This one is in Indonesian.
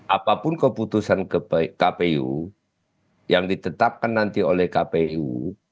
apapun keputusan kpu yang ditetapkan nanti oleh kpu